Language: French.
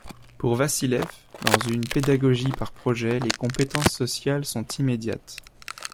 Pour Vassilef, dans une pédagogie par projets les compétences sociales sont immédiates.